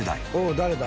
誰だ？